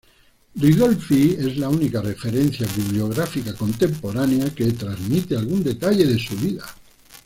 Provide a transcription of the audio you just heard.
Ridolfi es la única referencia bibliográfica contemporánea que transmite algún detalle de su vida.